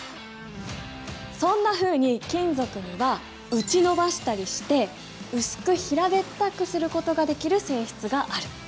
そんなふうに金属には打ち延ばしたりして薄く平べったくすることができる性質がある。